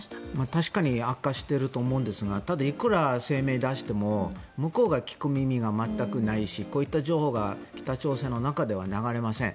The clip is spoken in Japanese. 確かに悪化していると思うんですがいくら声明を出しても向こうが聞く耳が全くないしこういった情報が北朝鮮の中では流れません。